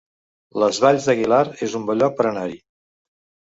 Les Valls d'Aguilar es un bon lloc per anar-hi